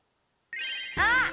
あっ！